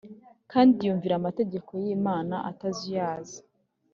kandi yumvira amategeko y’imana atazuyaza.